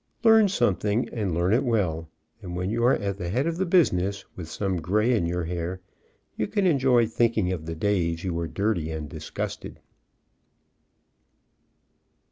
Learn something and learn it well, and when you are at the head of the business, with some gray in your hair, you can enjoy thinking of the days you were dirty and disgusted.